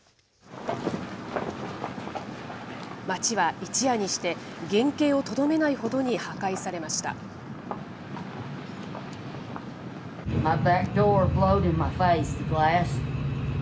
街は一夜にして原形をとどめないほどに破壊されました。